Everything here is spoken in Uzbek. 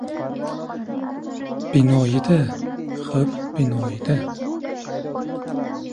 — Binoyi-da, xo‘p binoyi-da!